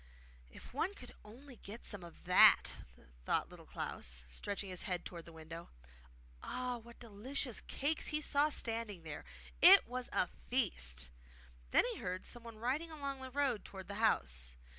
'If one could only get some of that!' thought Little Klaus, stretching his head towards the window. Ah, what delicious cakes he saw standing there! It WAS a feast! Then he heard someone riding along the road towards the house.